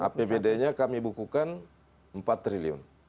apbd nya kami bukukan empat triliun